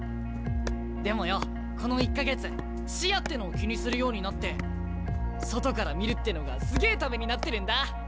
でもよこの１か月視野ってのを気にするようになって外から見るってのがすげえためになってるんだ。